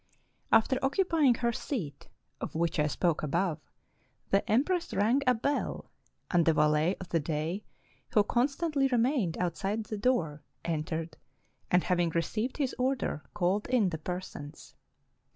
After occupying her seat, of which I spoke above, the empress rang a bell, and the valet of the day, who con stantly remained outside the door, entered, and, hav ing received his order, called in the persons.